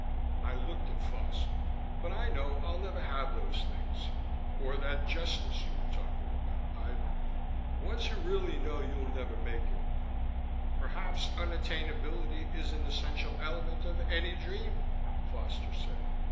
I looked at Foster. "But I know I'll never have those things or that Justice you were talking about, either. Once you really know you'll never make it...." "Perhaps unattainability is an essential element of any dream," Foster said.